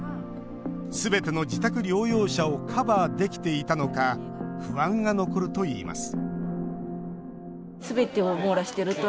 すべての自宅療養者をカバーできていたのか不安が残るといいます